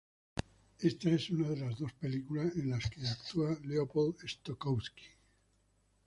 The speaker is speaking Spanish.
Esta es una de las dos películas en las que actúa Leopold Stokowski.